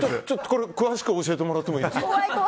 これは詳しく教えてもらってもいいですか。